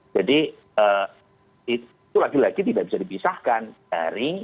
jadi itu lagi lagi tidak bisa dipisahkan dari